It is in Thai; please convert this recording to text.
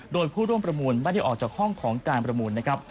โดยผู้ร่วมประมูลไม่ได้ออกจากห้องของการประมูลนะครับ